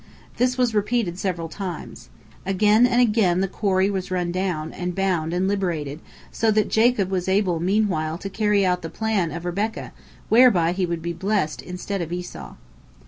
This was repeated several times. Again and again the quarry was run down, and bound, and liberated, so that Jacob was able meanwhile to carry out the plan of Rebekah whereby he would be blessed instead of Esau.